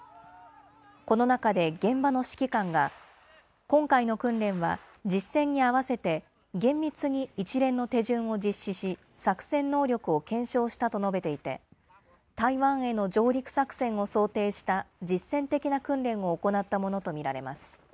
この中で現場の指揮官が、今回の訓練は実戦に合わせて、厳密に一連の手順を実施し、作戦能力を検証したと述べていて、台湾への上陸作戦を想定した実戦的な訓練を行ったものと見られます。